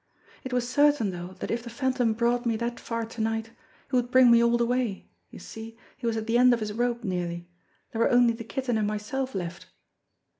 It was certain, though, that if the Phantom brought me that far to night, he would bring me all the way you see, he was at the end of his rope nearly; there were only the Kitten and myself left.